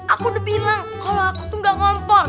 aku udah bilang kalo aku tuh gak ngompol